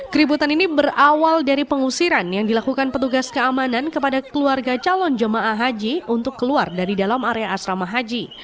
keributan ini berawal dari pengusiran yang dilakukan petugas keamanan kepada keluarga calon jemaah haji untuk keluar dari dalam area asrama haji